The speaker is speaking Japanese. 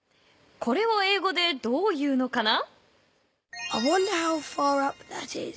これをえいごでどう言うのかな？